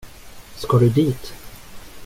Ska du dit?